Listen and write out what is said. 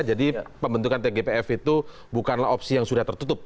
jadi pembentukan tgpf itu bukanlah opsi yang sudah tertutup